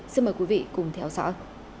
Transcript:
xin mời quý vị cùng theo dõi